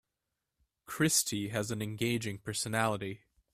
Christy has an engaging personality.